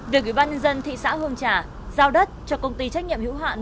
việc ủy ban nhân dân thị xã hương trà giao đất cho công ty trách nhiệm hữu hạn